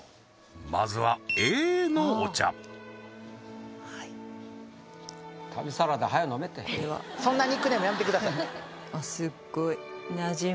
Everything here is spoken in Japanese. まずはＡのお茶はいそんなニックネームやめてください